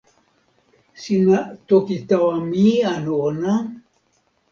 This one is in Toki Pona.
sina toki tawa mi anu ona?